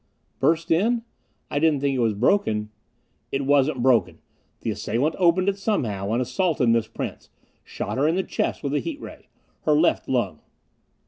"Burst it? I didn't think it was broken." "It wasn't broken. The assailant opened it somehow, and assaulted Miss Prince shot her in the chest with a heat ray. Her left lung."